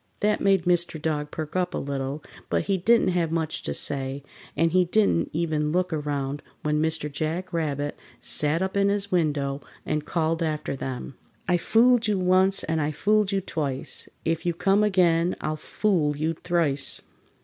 That made Mr. Dog perk up a little, but he didn't have much to say, and he didn't even look around when Mr. Jack Rabbit sat up in his window and called after them: "I fooled you once and I fooled you twice, If you come again I'll fool you thrice!"